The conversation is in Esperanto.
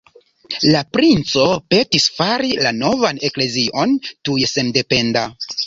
La princo petis fari la novan Eklezion tuj sendependa.